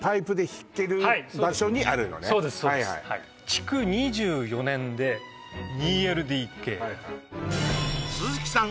築２４年で２ＬＤＫ鈴木さん